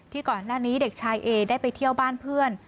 ก่อนหน้านี้เด็กชายเอได้ไปเที่ยวบ้านเพื่อน